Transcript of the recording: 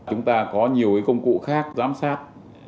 chúng ta có nhiều công cụ khác giám sát